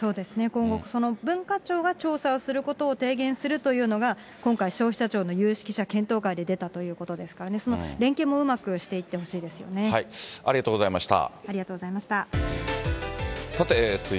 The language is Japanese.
今後、文化庁が調査をすることを提言するというのが、今回、消費者庁の有識者検討会で出たということですからね、その連携もうまくしていってほしありがとうございました。